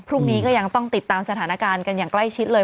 พรุ่งนี้ก็ยังต้องติดตามสถานการณ์กันอย่างใกล้ชิดเลย